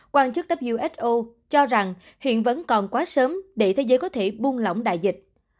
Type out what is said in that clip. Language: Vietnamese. quan chức who cho rằng hiện vẫn còn quá sớm để thế giới có thể buông lỏng đại dịch